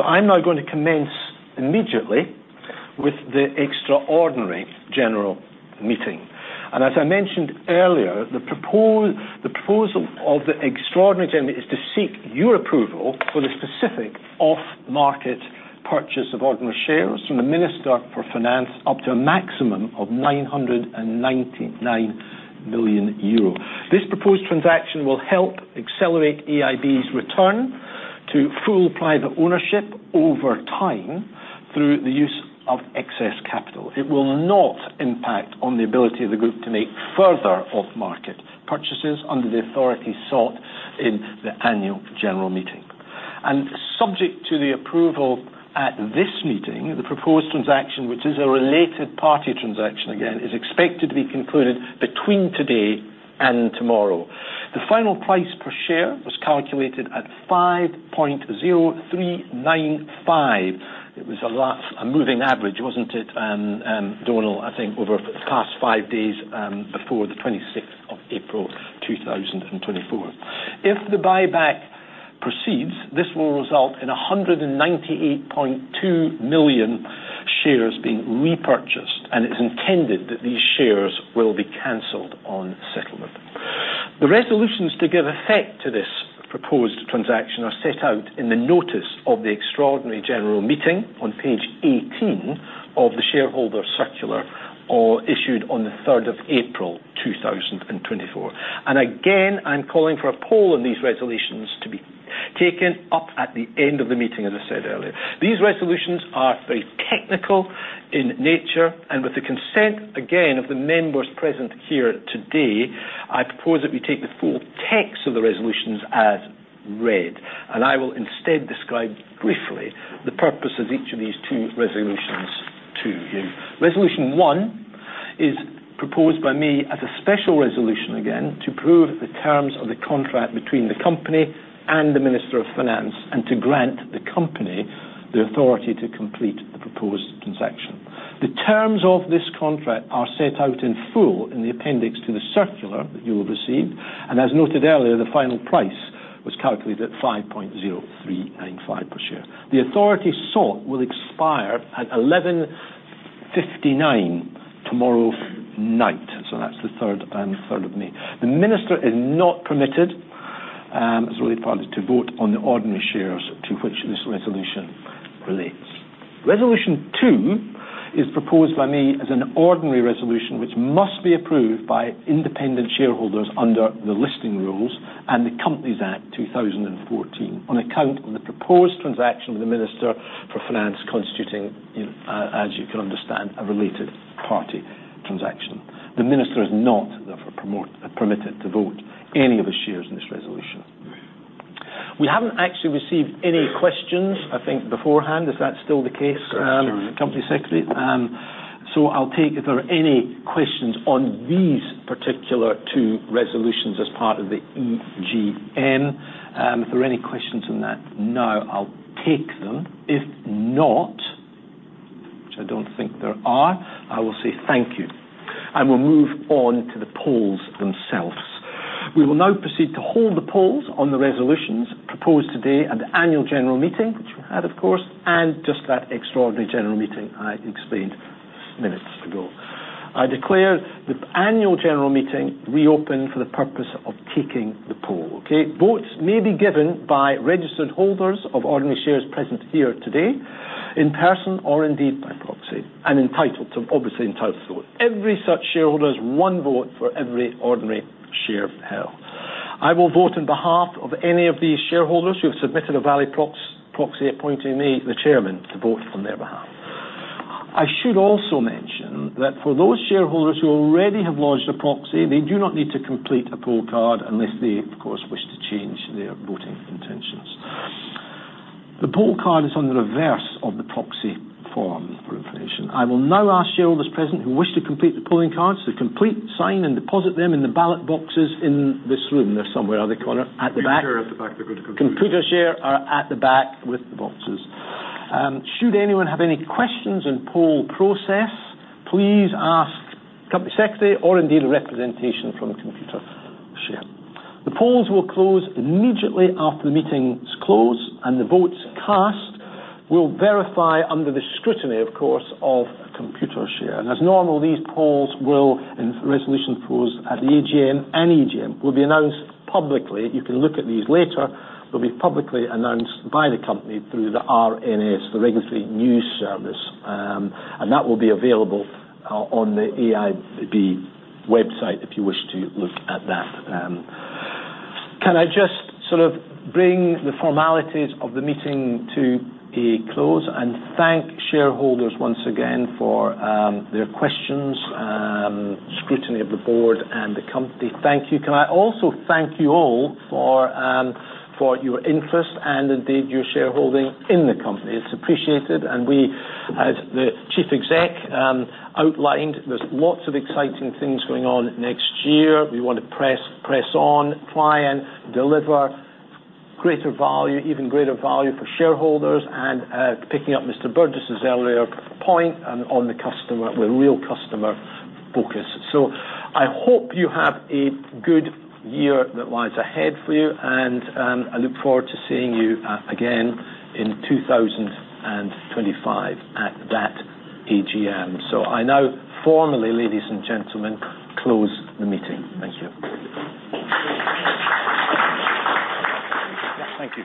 I'm now going to commence immediately with the Extraordinary General Meeting. As I mentioned earlier, the proposal of the extraordinary meeting is to seek your approval for the specific off-market purchase of ordinary shares from the Minister for Finance, up to a maximum of 999 million euro. This proposed transaction will help accelerate AIB's return to full private ownership over time, through the use of excess capital. It will not impact on the ability of the group to make further off-market purchases under the authority sought in the Annual General Meeting. Subject to the approval at this meeting, the proposed transaction, which is a related party transaction, again, is expected to be concluded between today and tomorrow. The final price per share was calculated at 5.0395. It was a last, a moving average, wasn't it, Donal, I think over the past five days before the 26th of April 2024. If the buyback proceeds, this will result in 198.2 million shares being repurchased, and it's intended that these shares will be canceled on settlement. The resolutions to give effect to this proposed transaction are set out in the notice of the Extraordinary General Meeting on page 18 of the shareholder circular, or issued on the 3rd of April 2024. Again, I'm calling for a poll on these resolutions to be taken up at the end of the meeting, as I said earlier. These resolutions are very technical in nature, and with the consent, again, of the members present here today, I propose that we take the full text of the resolutions as read, and I will instead describe briefly the purpose of each of these two resolutions to you. Resolution one is proposed by me as a special resolution, again, to approve the terms of the contract between the company and the Minister for Finance, and to grant the company the authority to complete the proposed transaction. The terms of this contract are set out in full in the appendix to the circular that you will receive, and as noted earlier, the final price was calculated at 5.0395 per share. The authority sought will expire at 11:59 P.M. tomorrow night, so that's the 3rd of May. The minister is not permitted, as a related party, to vote on the ordinary shares to which this resolution relates. Resolution two is proposed by me as an ordinary resolution, which must be approved by independent shareholders under the Listing Rules and the Companies Act 2014, on account of the proposed transaction with the Minister for Finance, constituting, as you can understand, a related party transaction. The minister is not, therefore, permitted to vote any of his shares in this resolution. We haven't actually received any questions, I think, beforehand. Is that still the case, Company Secretary? So I'll take if there are any questions on these particular two resolutions as part of the EGM. If there are any questions on that now, I'll take them. If not, which I don't think there are, I will say thank you, and we'll move on to the polls themselves. We will now proceed to hold the polls on the resolutions proposed today at the Annual General Meeting, which we had, of course, and just that Extraordinary General Meeting I explained minutes ago. I declare the Annual General Meeting reopened for the purpose of taking the poll, okay? Votes may be given by registered holders of ordinary shares present here today, in person or indeed, by proxy, and entitled to, obviously entitled to vote. Every such shareholder has one vote for every ordinary share held. I will vote on behalf of any of these shareholders who have submitted a valid proxy appointing me, the Chairman, to vote on their behalf. I should also mention that for those shareholders who already have lodged a proxy, they do not need to complete a poll card unless they, of course, wish to change their voting intentions. The poll card is on the reverse of the proxy form, for information. I will now ask shareholders present who wish to complete the polling cards, to complete, sign, and deposit them in the ballot boxes in this room. They're somewhere, are they, Conor? At the back. Computershare at the back. Computershare are at the back with the boxes. Should anyone have any questions on poll process, please ask Company Secretary or indeed a representative from Computershare. The polls will close immediately after the meeting is closed, and the votes cast will verify under the scrutiny, of course, of Computershare. And as normal, these polls and resolution polls at the AGM and EGM will be announced publicly. You can look at these later. Will be publicly announced by the company through the RNS, the Regulatory News Service, and that will be available on the AIB website, if you wish to look at that. Can I just sort of bring the formalities of the meeting to a close and thank shareholders once again for their questions, scrutiny of the board and the company. Thank you. Can I also thank you all for your interest and indeed your shareholding in the company? It's appreciated, and we, as the Chief Exec outlined, there's lots of exciting things going on next year. We want to press on, try and deliver greater value, even greater value for shareholders, and picking up Mr. Burgess's earlier point, on the customer, with real customer focus. So I hope you have a good year that lies ahead for you, and I look forward to seeing you again in 2025 at that EGM. So I now formally, ladies and gentlemen, close the meeting. Thank you. Thank you.